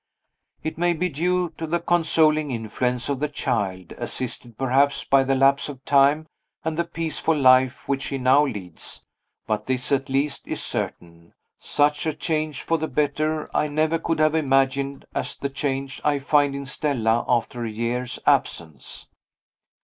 It may be due to the consoling influence of the child assisted, perhaps, by the lapse of time and the peaceful life which she now leads but this at least is certain, such a change for the better I never could have imagined as the change I find in Stella after a year's absence.